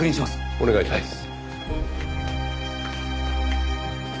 お願いします。